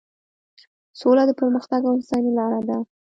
سوله د پرمختګ او هوساینې لاره ده.